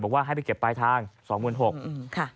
ว่าให้ไปเก็บปลายทาง๒๖๐๐บาท